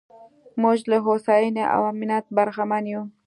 موږ له هوساینې او امنیت برخمن یو.